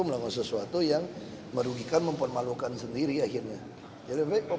melakukan sesuatu yang merugikan mempermalukan sendiri akhirnya